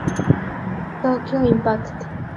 Tokyo Impact!